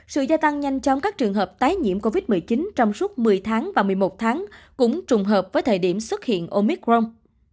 sự gia tăng nhanh chóng các trường hợp tái nhiễm covid một mươi chín trong suốt một mươi tháng và một mươi một tháng cũng trùng hợp với thời điểm xuất hiện omicron